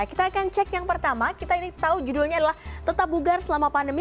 kita akan cek yang pertama kita ini tahu judulnya adalah tetap bugar selama pandemi